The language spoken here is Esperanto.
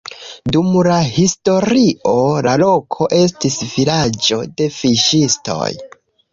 Dum la historio la loko estis vilaĝo de fiŝistoj.